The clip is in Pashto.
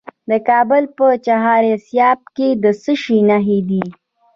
د کابل په چهار اسیاب کې د څه شي نښې دي؟